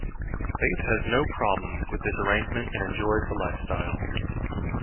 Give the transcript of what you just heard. Faith has no problem with this arrangement and enjoys the lifestyle.